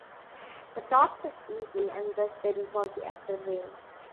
The top is peaty and thus very boggy after rain.